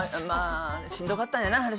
「まあしんどかったんやな」